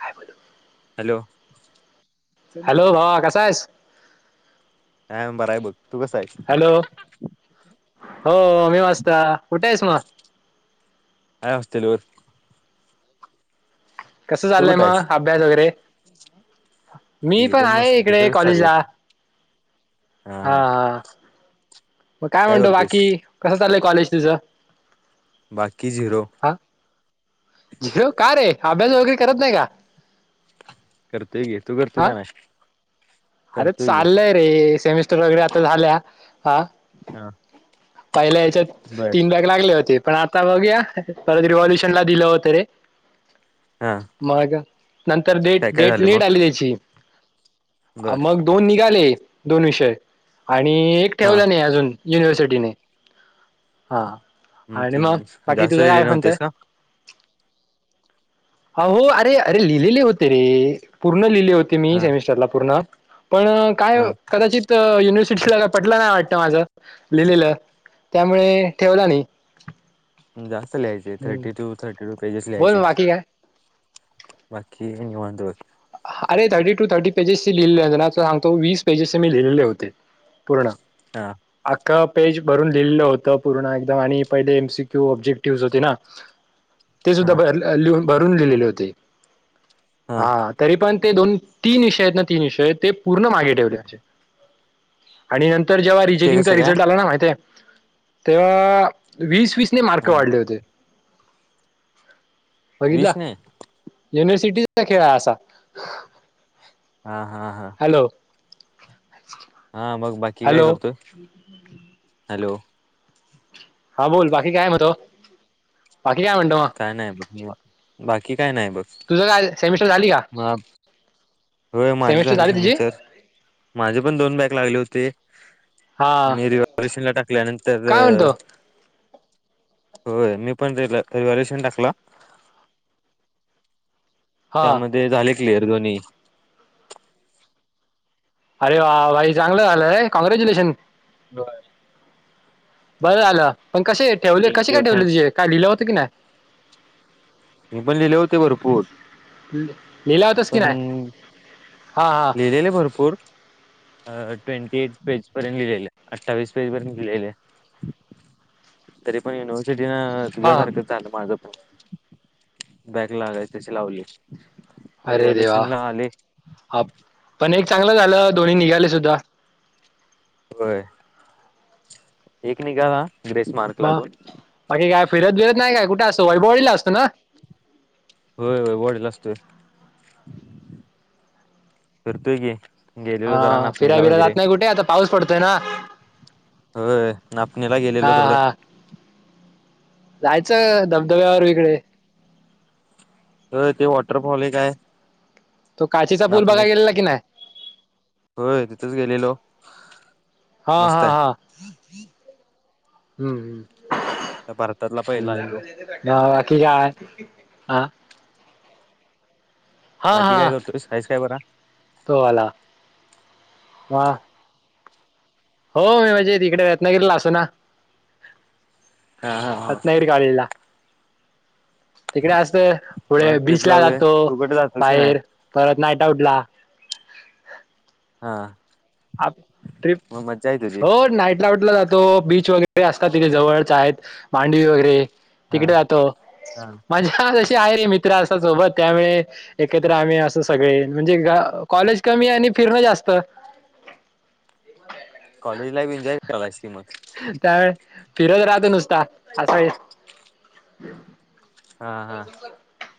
काय बोलू hello hello भावा कसा आहेस हा बर आहे बघ तू कसा आहेस हॅलो हो मी वाजता कुठे आहेस मग हाय होस्टल वर कसं तू चाललंय कुठं आहेस मग अभ्यास वगैरे? मी पण एकदम मस्त आहे इकडे तुझं कसं चाललंय कॉलेजला, हा हा. मग काय म्हणतो बाकी कसं चाललंय कॉलेज तुझं? बाकी झिरो हा झिरो का रे. अभ्यास वगैरे करत नाही का? करतेय गे तू करत हा का नाही? अरे करतोय की चाललंय रे सेमिस्टर वगैरे आता झाल्या, आ. हा पहिल्या याच्यात बर तीन भाग लागले होते पण आता बघूया परत रिव्हॉल्युशन ला दिलं होत रे हा मग नंतर डेट काय काय डेट झालं लेट मग आली त्याची बर मग दोन निघाले दोन विषय आणि एक हा ठेवला नाही अजून युनिवर्सिटीने हा म अणी ते मग बाकी जास्त तुझा काय लिहिले आहे म्हणतय नव्हतेस का अ हो अरे अरे लिहिलेले होते रे पूर्ण लिहिले केली होते मी हा सेमिस्टरला पुर्ण पण काय हा कदाचित युनिव्हर्सिटी सला पटलं जाय वाटत माझं लिहिलेलं त्यामुळे ठेवलं नाही जास्त लिहायचे हम्म. Thirty two thirty two pages बोल लिहायचे मग बाकी काय बाकी नी निवांत बग अरे थर्टी टू थर्टी पेजेसचे लिहिले ना सांगतो वीस पेजेसचे मी लिहिलेले होते पूर्ण हा अ एक पेज भरून लिहिलं होतं पूर्ण एकदम आणि पहिले एमसीक्यू ऑब्जेक्टिव्ह होते ना. ते हा सुद्धा भर लिह भरून लिहिलेले होते, हा. तरी पण ते दोन तीन विषय आहेत ना तीन विषय आहेत ते पूर्ण मागे ठेवलेचे आणि न जेव्हा ते रिचेकिंग चा कसं रिझ्ट काय लागला ना माहिताय तेव्हा वीस वीस [unintelligible] मार्क हा वाढले होते? बघितला वीस नी. युनिव्हर्सिटीचा खेळ असा. हा हा हा. हॅलो हा मग बाकी काय हॅलो करतो? हॅलो. हा बोल बाकी काय मतो. बाकी काय म्हणतो मग, काय नाही बघ निवा बाकी काय नाही बघ तुझं काय सेमिस्टर झाली का? हा [inaudible] होय माझी झाली सेमिस्टर, माझे पण दोन बॅग लागले होते. हा मेरशनला टाकल्यानंतर काय म्हणतो होय मी पण र रिवाल्युशन टाकला. हा त्यामध्ये झाले क्लियर दोनी्ही. अरे वा भाई चांगलं झालं र कॉग्रॅच्युलेशन. बर. बरं आलं पण कसे ठेवले कसे थँक्यू काय ठेवले थँक तुझे काय लिहिलं होत की नाही. मी पण लिहिले होते भरपूर, लिहिला होतस की पण नाही हा हा लिलेले भरपूर, अ ट्वेंटी एट पेज पर्यंत लिहिलेले अठ्ठावीस पेज पर्यंत लिहिलेले. तर पण युनिवर्सिट हा तुझ्यासारखं चालं माझ पण, बॅग लागाय तशी लावली. परिवालेच ना आले. हा पण एक चांगलं झालं दो्ही निघाले सुद्धा. होय. एक निघावा ग्रेसमार्क मग लागून. बाकी काय फिरत विरत नाही काय कुठे असतो वैभवळीला असतो ना. होय होय वडेल असतोय, फिरतोय की. गेलेलो हा जरा फिरा्य नाचणीला बिरायला वगैरे जात नाही कुठे? आता पाऊस पडतोय ना? होय. नापणीला हा गेलेलो थोडं. हा जायचं धबधब्यावर तिकडे. तर ते वॉटरफॉल एक हाय. तो काशीचा पूल बघायला गेलेला की नाही? होय तिथेच गेलेलो हा मस्त हा आहे. हा हम्म. भारतातला पहिला आहे तो बाकी काय, हा. हा बाकी हा काय करतोयस, हायस का बरा? तो वाला, वा. होय म्हणजे तिकडे रत्नागिरीला असतो ना. हा हा हा [unintelligible] तिकडे असत पुढे मग ट्रिपला बीचला वगैरे जातो. तू कुठे जातोस की नाही बाहेर परत नाईट आउट ला. हा अप ट्रिप, मग मज्जा आहे तुझी हो नाईट आउट. ला जातो बीच वगैरे असतात तिथे जवळच चाय मांडवी वगैरे. हा तिकडे जातो, हा मजा आहेरे मित्र असतात सोबत त्यावेळी एकत्र आम्ही अस सगळे म्हणजे कॉलेज कमी आणि फिरण जास्त. कॉलेज लाईफ एन्जॉय करायलायस की मग? त्यावेळ फिरत राहत नुसता अस- हा हा.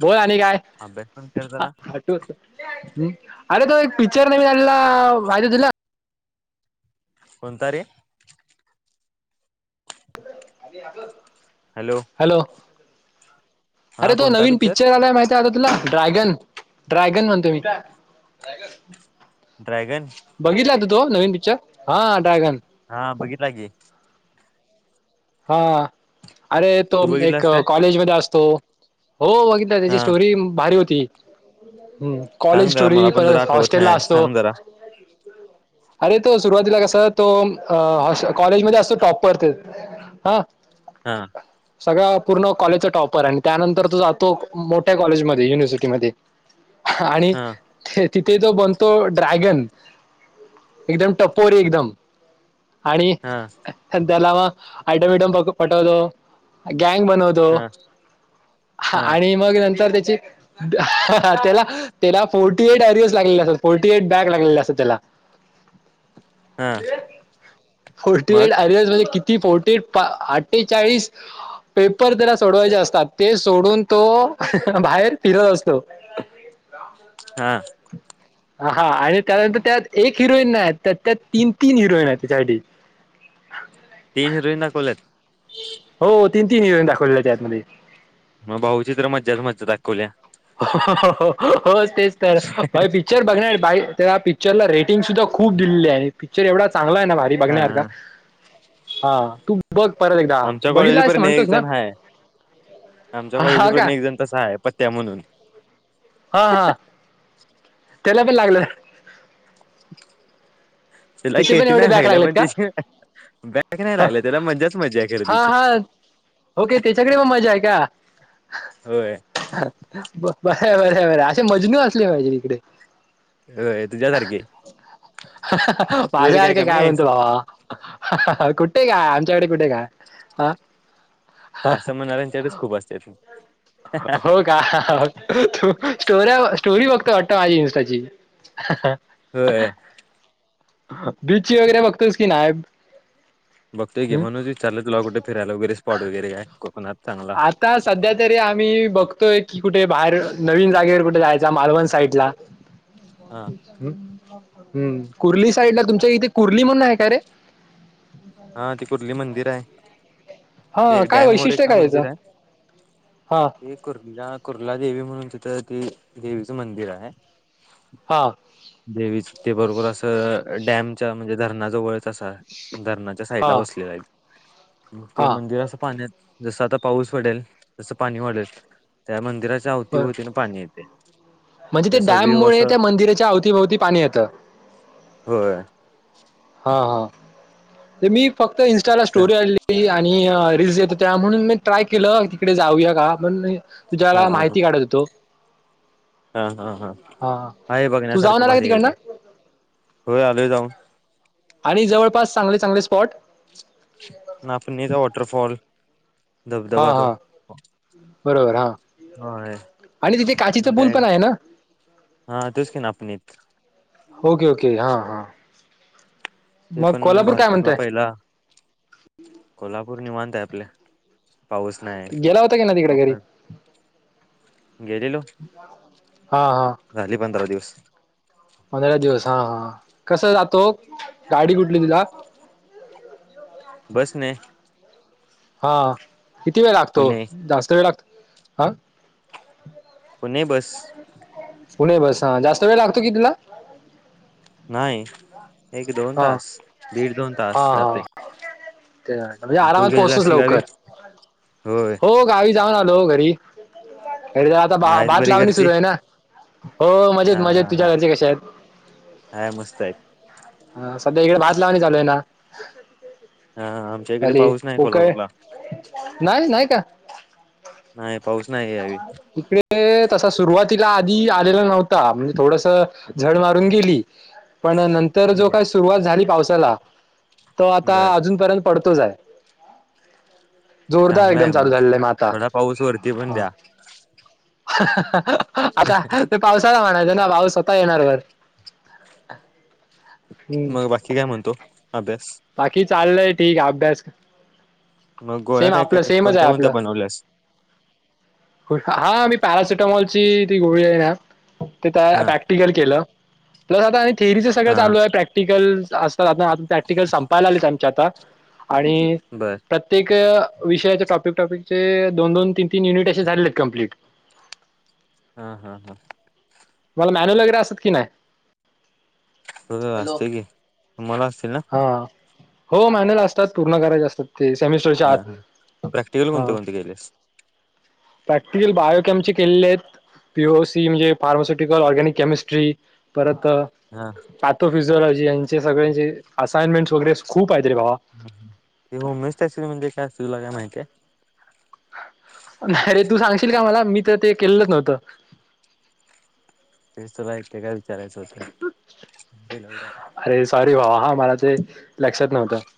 बोल आणि काय? अभ्यास पण कर जरा हटू अरे तो एक पिक्चर निघालेला माहितीय तुला? कोणता रे? हॅलो. हा अरे तो कोणता नवीन पिक्चर आलाय माहित- आता तुला ड्रॅगन, ड्रॅगन म्हणतो मी. ड्रॅगन? बघितला तू तो नवीन पिक्चर, हा ड्रॅगन. हा बघितला की. हा. अरे तो तू म एक बघितलास काय कॉलेज मधे असतो. हो बघितला. त्याची हा स्टोरी भारी होती. हम् कॉलेज सांग जरा मला स्टोरी पण जरा परत आठवत हॉस्टेल ला नाही असतो. सांग जरा अरे तो- सुरुवातीला कस तो अ हॉस कॉलेजमध्ये असतो टॉपर- हा सगळं. पूर्ण कॉलेजचा टॉपर आणि त्यानंतर तो जातो मोठ्या कॉलेजमध्ये युनिव्हर्सिटीमध्ये. आणि हा ते ति- ते तो बनतो ड्रॅगन. एकदम टपोरी एकदम. आणि हा त्याला मग, आयटम विटम पटवतो. गॅंग बनवतो हा हा आणि मग नंतर त्या- त्याला त्याला फोर्टी एट बॅग लागलेले असतात. फोर्टी एट बॅग लागलेले असतात त्याला. हा फोर्टी एट मग [unintelligible] म्हणजे किती फोट- ते अठ्ठेचाळीस पेपर त्याला सोडवायचे असतात. ते सोडून तो- बाहेर फिरत असतो. हा हा आणि त्यानंतर त्यात एक हिरोईन नाही त्या त्यात तीन तीन हिरोईन आहेत त्याच्यासाठी. तीन हिरोईन दाखवल्यात? हो तीन तीन हिरोईन दाखवले त्यातमध्ये. मग भाऊचि तर मज्जाच मज्जा दाखवल्या. हो तेच तर भाई पिक्चर बघणार. भाई त्या पिक्चरला रेट- टिंग सुद्धा खूप दिलेली आहे. पिक्चर एवढा चांगला हाय ना भारी हा बघण्यासारखा. हा हा तु बघ परत एकदा आमच्या बघितला कॉलेज आहे पर्यंत एक म्हणतोस ना जण हाय आमच्या कॉलेज हा का पर्यंत एक जण तसा आहे पत्त्या म्हणून हा हा त्याला पण लागलं तिला त्याचे पण केटी एवढे नाही बॅक लागल्या लागलेत पण का तची बॅग नाही लागल्या त्याला मजाच मजा आहे हा खरेदीची. हा ओके. त्याच्याकडे पण मजा आहे का? होय बरं बरं बरं असे मजनू असले पाहिजे इकडे. होय. तुझ्या सारखे. माझ्या सारखे काय म्हणतो बाबा कुठ- [unintelligible] कुठे काय? आमच्याकडे कुठे काय? आं? असं म्हणाच्यातच खूप असत्यात. हो का? तू स्टोऱ्या, स्टोरी बघतो का? माजस त्याची [unintelligible] होय. बीचची वगैरे बघतोस की नाय? [unintelligible] बघतये म्हणूनच चालुला कुठ फिरायला वैे स्पॉट वगैरे काय कोकनात [unintelligible] आता सध्या तरी आम्ही बघतो. की कुठे बाहेर नवीन जागेवर कुठे जायचा मालवण साईड ला हा हम्म [unintelligible] तुमच्या इथे कुरला म्हणून आहे. काय रे हा ते कुर्ली मंदिर आहे हा ते काय डॅम वर वैशिष्ट्य एका काय याचा मंदिर [unintelligible] आहे ते कुर्ला देवी म्हणून तिथं ते देवीचं मंदिर आहे. हा. देवी ते बरोबर असं डॅमच्या म्हणजे धरणा जवळ [unintelligible] धरणाच्या साईड हा बसले आहे ते हा मंदिर अस पाण्यात जस आ पाऊस वाढत तस पाणी वाढतं मंदिर रात बर अवतीभवतीन पाणी येते म्हणजे ते त्यास डॅम विीव मुळे असं त्या [unintelligible] मंदिराच्या अवतीभवती पाणी येत. होय. हा हा मी फक्त इनस्टाला स्टोरी आणली आणि [unintelligible] रीलल्स येतो त्या म्हणून मी ट्राय केलं तिकडे जाऊया का पण म हा तुझ्याला हा माहिती काढत होतो [unintelligible] हा तू जाऊन बघण्यासारखं आला का भारी आहे. तिकडनं होयआलो जाऊन आणि चांगले चांगले स्पॉट जवळपास ना पुणता वाटरफाॉल हा धबधबा हा बरोबर हा आहे. तिथे आणि काचीचं पूल काय पण आहे ना हा तूच की ना आपणत [unintelligible] हा ओके ओके हा. ते मग पण कोल्हापूर काय भारतातला म्हणतय पहिला कोला [unintelligible] पूर्णी मानतय आपले [unintelligible] गेला होता का कधी घरी गेलेलो हा हा झाली पंधरा दिवस पंधरा दिवस हा हा कस जातो गाडी कुठली तुला [unintelligible] बसणे. हा किती वेळ लागतो पुणे जास्त वेळ लागतो का. पुणे बस. पुणे बस हा जास्त वेळ लागतो कि तुला नाही एक [unintelligible] दोन हा तास दीड दोन हा. तास जाते हा. म्हणजे तू आराम. गेलेलास की गावी होय गावी जाऊन आलो घरी आता आहेत भात बरी लावणी घरची सुरू आहे. हा हा तुझ्या हा घरचे कसे आहेत. हाय मस्त आहेत मजेत..... इकडे भात लावणी चालू आहे. हो आमच्या इकडे पाऊस नाही.. हो काय कोल्हापूरला नाही नाही का? नाही. पाऊस नाही यावी इकडे तसा सुरुवात तिला आधी आलेला नव्हता म्हणजे थोडस झड मारून गेली पण नंतर जो ठीक आहे काय सुरुवात झाली पावसाला तो आता बर अजूनपर्यंत पडतो जोरदार एकदम चालू झा आहे म आाता थ आता ते पावसाला म्हणायच ना पाऊ स्वतः येणार वर हम्म मग बाकी काय म्हणतो अभ्यास बाकी चाललंय ठीक आहे अभ्यास मग गोळ्या सेम काय काय आपलं सेमच आहे कोणत्या कोणत्या आपलं बनवल्यास हा आम्ही पॅराासिटमॉोल ती गोळी आहे ना ते हा प्रॅक्टिकल केलं... प्लस आता आणि थेअरीचं सगळं हा चालू आहे प्रॅक्टिकल असतात आ आता... संपायला आलेत आमच्या आता आणि बर प्रत्येक.. विषया ट्रॉपिकचे दोन दोन तीन तीन युनिट असे झाले कम्प्लीट. [inaudible] हा हा हा तुम्हाला मॅनर वगैरे असत की नाही.. हो असते की मला असत.. हा हो मॅनला असतात पूर्ण करायचे असतात ते सेमिस्टरच्या हा आत हा प्रॅक्टिकल कोणते हा.. कोणते केलेस प्रॅक्टिकल बायोकॅमिटिक.. केलेत पीओसी म्हणजे फार्मा्युटिकल ऑर्गनिक केमिस्ट्री परत... हा आथो फिजिलॉजी यांचे सगळ्यांचे असइनमेंट्स वगैरे खूप... आहेत रे भावा ते होस्त म्हणजे काय अस तुला काय माहिती आहे... नाहीरे तू सांगशील का मला मी तर ते केलंच नव्हतं. टेस्टलाय काय.. विचारायचं होतं. बेलवड्या अरे सॉरी भावा हा मला ते... लक्षात नव्हत..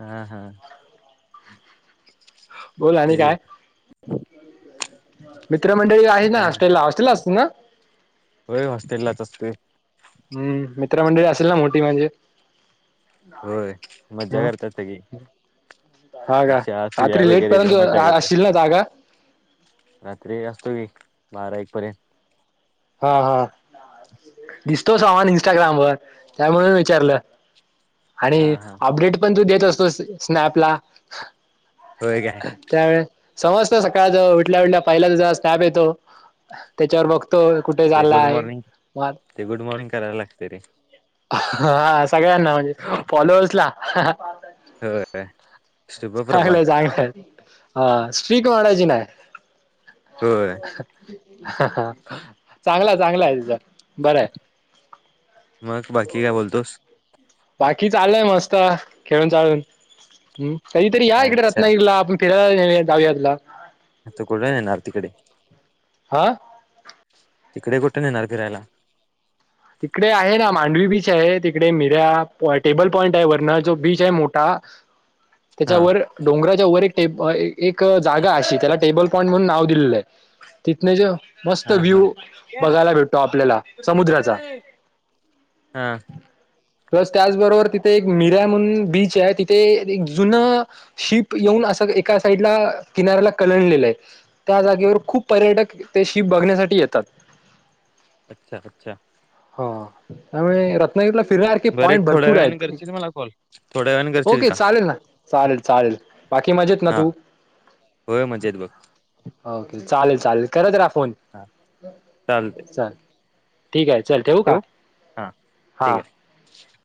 हा हा.. बोल आणि ते काय मित्रमंडळी आहे ना हॉस्टेल हॉस्टेलच... पुन.. हो हॉस्टेललाच असते.. हम्म मित्रमंडळी असेल ना मोठी म्हणजे.. होय मज्जा करतात सगळी. हम्म... हागा शाळा सुया रात्री लेट वगैरे पर्यंत लय मज्जा करतात. असशील ना जागा.. रात्री असतो मी बारा एक पर्यंत.. हा हा... दिसतो समान इंस्टाग्राम वर त्यामुळेून विचारलं.. आणि हा हा अपडेट पण तू देत असतो स्नॅपला.. होय काय त्यावेळेस समजत सकाळ ज उठल्या उठल्या पहिल्या ज स्टॅप येतो त्याच्यावर बघो... ते गुड मॉर्निंग ते गुड मॉर्निंग करायला लागते रे... हा सगळ्यांना म्हणजे फॉलोअर्स ला... हो [unintelligible] चांगलंय, चांगलंय ह स्रीक म्हडायची ना, होय [unintelligible] चांगला, चांगला आहे तिचां बर आहे. मग बाकी काय बोलतोस? बाकी चालय मस्त खेळून चालून हम्म. कधीतरी या इकडे अच्छा रत्नागिरी ला आपण फिरायला जाऊया जाऊया आता कुठे येणार आरतीकडे.. हा... तिकडे कुठे नेणार फिरायला? तिकडे आहे ना मांडवी बीच आहे, तिकडे मिर्या टेबल पॉईंट आहे, वारन जो बीच आहे मोठा.. हा त्याच्यावर डोंगरा.. त्यावर एक जागा अशी त्याला टेबल पॉईंट म्हणून नाव दिलेलं आहे, तिथंन तर... मस्त हा हा व्ह्यू बघायला भेटतो आपल्याला समुद्राचा हा... प्लस त्याचबरोबर तिथे एक मिऱ्या म्हणून बीच आहे तिथे एक जुनं शिप येऊ.. न एका साईडला किनाऱ्याला कलंडलेलं आहे त्या जागेवर खूप पर्यटक ते शीप बघण्या... त्या साठी येतात. अच्छा, अच्छा, हा त्यामुळे रत्नागिरीला फिरणार की बरं एक पॉइंट थोड्या भरपूर वेळाने आहेत. करशील मला कॉल थोड्या वेळाने घरचे येईल ओके का? चालेल ना चालेल चालेल. बाकी मजेत ना हा तू होय म्हजेत बघ ओके चालेल, चालेल करत रहा फोन हा चालतंय चाल. ठीक आहे चल ठेवू का? हा हा. ठीक आहे